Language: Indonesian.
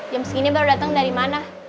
jam segini baru datang dari mana